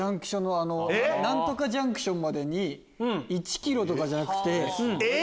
「○○ジャンクションまで１ｋｍ」とかじゃなくて。